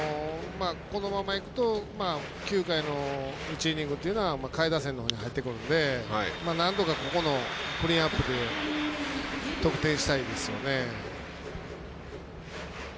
このままいくと９回の１イニングというのは下位打線のほうに入ってくるのでなんとかここのクリーンアップで得点したいですよね。